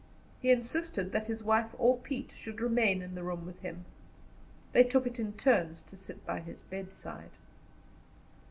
He insisted that his wife or Pete should remain in the room with him. They took it in turns to sit by his bedside.